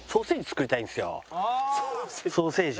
ソーセージ。